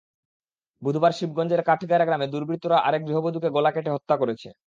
বুধবার শিবগঞ্জের কাঠগাড়া গ্রামে দুর্বৃত্তরা আরেক গৃহবধূকে গলা কেটে হত্যা করেছে।